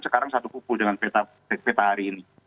sekarang satu kumpul dengan peta hari ini